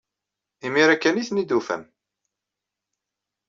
Imir-a kan ay ten-id-tufam.